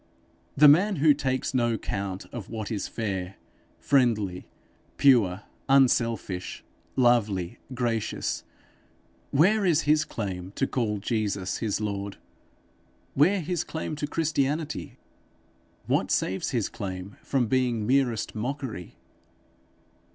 The man who takes no count of what is fair, friendly, pure, unselfish, lovely, gracious, where is his claim to call Jesus his master? where his claim to Christianity? What saves his claim from being merest mockery?